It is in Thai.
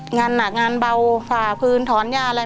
งานหนักงานเบาฝ่าคืนถอนยาอะไร